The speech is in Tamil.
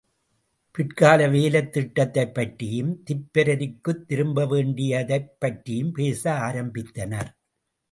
பிற்கால வேலைத்திட்டத்தைப் பற்றியும், திப்பெரரிக்குத் திரும்பவேண்டியதைப் பற்றியும் பேச ஆரம்பித்தனர்.